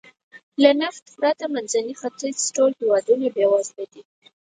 له نفت پرته د منځني ختیځ ټول هېوادونه بېوزله دي.